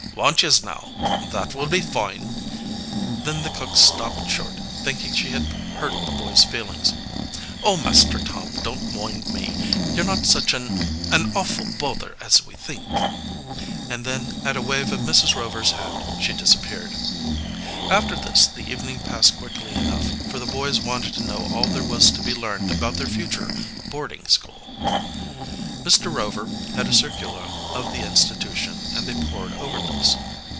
"Won't yez now? That will be foine." Then the cook stopped short, thinking she had hurt the boy's feelings. "Oh, Master Tom, don't moind me. You're not such an an awful bother as we think," and then at a wave of Mrs. Rover's hand she disappeared. After this the evening passed quickly enough, for the boys wanted to know all there was to be learned about their future boarding school. Mr. Rover had a circular of the institution, and they pored over this.